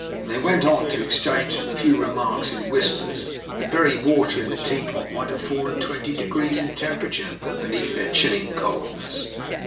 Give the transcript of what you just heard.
As they went on to exchange some few remarks in whispers, the very water in the teapot might have fallen twenty degrees in temperature beneath their chilling coldness.